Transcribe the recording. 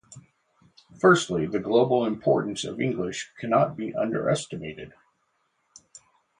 Firstly, the global importance of English cannot be underestimated.